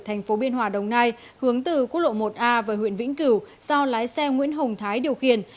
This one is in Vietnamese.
thành phố biên hòa đồng nai hướng từ quốc lộ một a về huyện vĩnh cửu do lái xe nguyễn hồng thái điều khiển